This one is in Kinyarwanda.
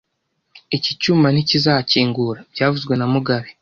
Iki cyuma ntikizakingura byavuzwe na mugabe